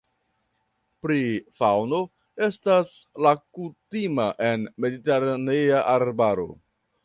Pri faŭno estas la kutima en mediteranea arbaro.